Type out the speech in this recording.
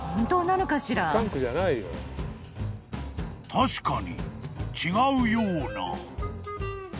［確かに違うような］